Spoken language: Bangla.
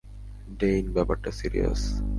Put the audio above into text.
ডেইন, ব্যাপারটা সিরিয়াস।